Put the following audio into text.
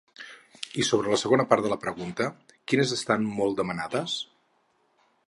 I sobre la segona part de la pregunta: quines estan molt demanades?